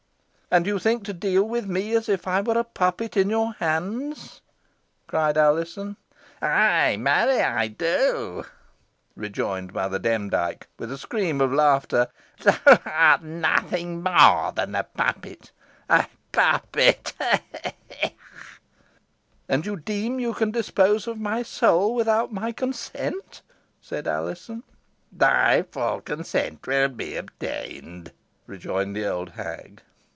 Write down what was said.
"And you think to deal with me as if I were a puppet in your hands?" cried Alizon. "Ay, marry, do I," rejoined Mother Demdike, with a scream of laughter, "Thou art nothing more than a puppet a puppet ho! ho." "And you deem you can dispose of my soul without my consent?" said Alizon. "Thy full consent will be obtained," rejoined the old hag.